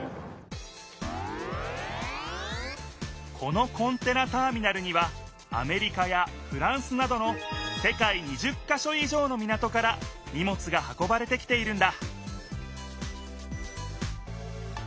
このコンテナターミナルにはアメリカやフランスなどの世界２０か所以上の港からにもつが運ばれてきているんだ